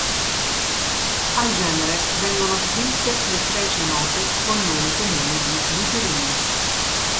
Al genere vengono ascritte le specie note col nome comune di lucherini.